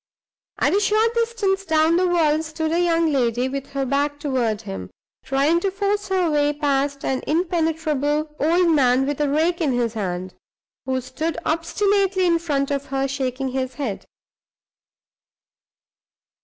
At a short distance down the wall stood a young lady, with her back toward him, trying to force her way past an impenetrable old man, with a rake in his hand, who stood obstinately in front of her, shaking his head.